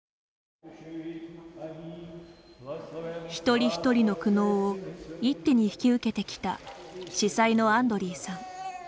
一人一人の苦悩を一手に引き受けてきた司祭のアンドリーさん。